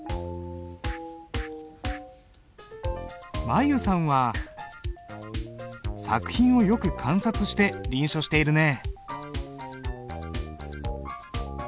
舞悠さんは作品をよく観察して臨書しているね。